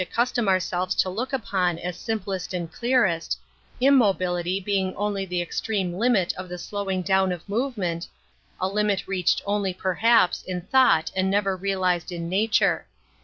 custom ourselves to look upon as simplest / and clearest, immobility being only the ex / treme limit of the slowing down of move / ment, a limit reached only, perhaps, in /; thought and never realized in nature.